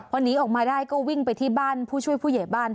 พอหนีออกมาได้ก็วิ่งไปที่บ้านผู้ช่วยผู้ใหญ่บ้าน